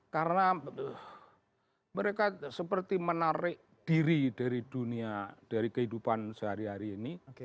karena mereka seperti menarik diri dari dunia dari kehidupan sehari hari ini